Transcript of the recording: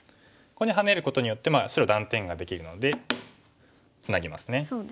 ここにハネることによって白断点ができるのでツナぎますね。